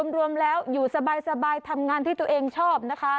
รวมแล้วอยู่สบายทำงานที่ตัวเองชอบนะคะ